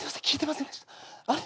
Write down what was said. あれ？